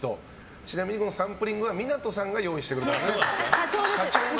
ちなみに、このサンプリングは港さんが用意してくれたそうです。